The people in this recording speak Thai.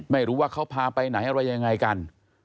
ไม่รู้ว่าเขาพาไปไหนอะไรยังไงกัน